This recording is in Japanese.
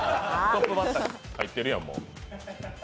入ってるやん、もう。